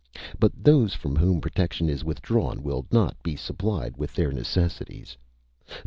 But those from whom protection is withdrawn will not be supplied with their necessities!